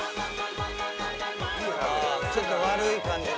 「ちょっと悪い感じの」